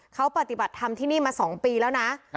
เขาปฏิบัติทำที่นี่มาสองปีแล้วนะ